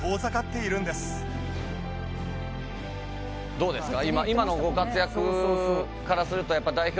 どうですか？